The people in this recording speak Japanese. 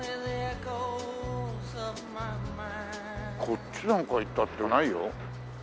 こっちなんか行ったってないよ。